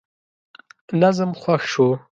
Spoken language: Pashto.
نظم خوښ شو.